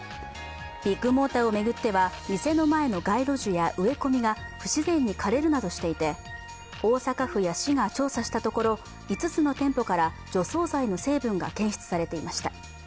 ビッグモーターを巡っては店の前の街路樹や植え込みが不自然に枯れるなどしていて大阪府や市が調査したところ、５つの店舗から除草剤の成分が検出されていました。